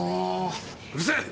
うるせえっ！